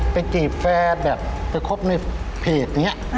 ไปกีดแฟสแบบไปคบในเพจอย่างนี้